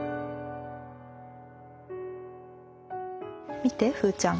見てふうちゃん。